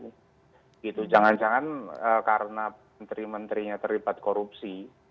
gitu jangan jangan karena menteri menterinya terlibat korupsi